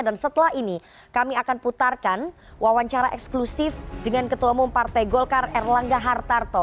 dan setelah ini kami akan putarkan wawancara eksklusif dengan ketua umum partai golkar erlangga hartarto